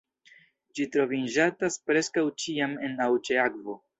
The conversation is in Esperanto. Ĝi troviĝantas preskaŭ ĉiam en aŭ ĉe akvo.